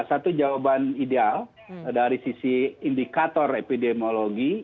satu jawaban ideal dari sisi indikator epidemiologi